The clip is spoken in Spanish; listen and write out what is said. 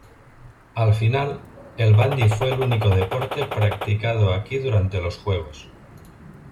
Al final, el bandy fue el único deporte practicado aquí durante los Juegos.